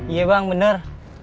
iya bang bener